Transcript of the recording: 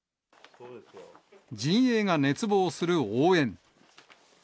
陣営が熱望する応援。